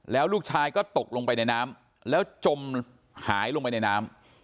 แล้วลูกชายก็ตกลงไปในน้ำแล้วจมหายลงไปในน้ำ